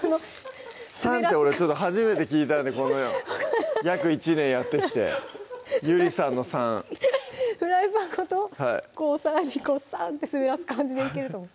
サンって俺ちょっと初めて聞いたんで約１年やってきてゆりさんの「サン」フライパンごとこうサンって滑らす感じでいけると思う